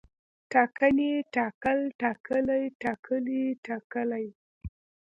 ټاکنې، ټاکل، ټاکلی، ټاکلي، ټاکلې